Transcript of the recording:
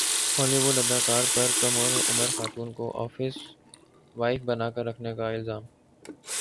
Holi would اداکار پر کم عمر خاتون کو افس وائفبنا کر رکھنے کا الزام